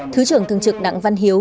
thứ trưởng thương trực đặng văn hiếu